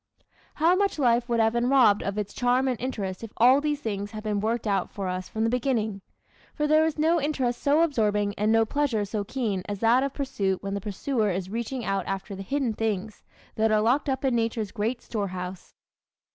How much life would have been robbed of its charm and interest if all these things had been worked out for us from the beginning! For there is no interest so absorbing and no pleasure so keen as that of pursuit when the pursuer is reaching out after the hidden things that are locked up in Nature's great storehouse.